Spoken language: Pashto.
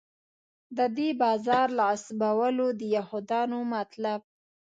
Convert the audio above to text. د دې بازار له غصبولو د یهودانو مطلب.